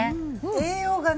栄養がね